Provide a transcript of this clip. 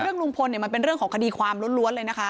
ลุงพลเนี่ยมันเป็นเรื่องของคดีความล้วนเลยนะคะ